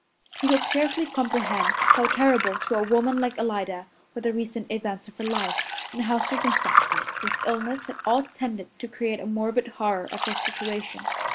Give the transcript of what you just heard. He could scarcely comprehend how terrible to a woman like Alida were the recent events of her life, and how circumstances, with illness, had all tended to create a morbid horror of her situation.